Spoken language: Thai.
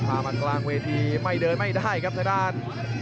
มากลางเวทีไม่เดินไม่ได้ครับทางด้าน